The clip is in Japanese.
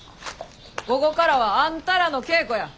午後からはあんたらの稽古や。